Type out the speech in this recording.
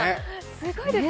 すごいですね。